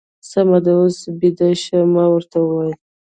سمه ده، اوس بېده شه. ما ورته وویل.